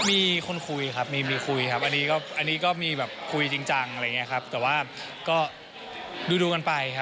มีคนคุยครับมีคุยครับอันนี้ก็มีแบบคุยจริงจังอะไรอย่างนี้ครับแต่ว่าก็ดูกันไปครับ